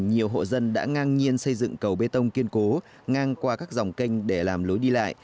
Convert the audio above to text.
nhiều hộ dân đã ngang nhiên xây dựng cầu bê tông kiên cố ngang qua các dòng kênh để làm lối đi lại